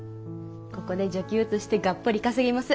ここで女給としてがっぽり稼ぎます。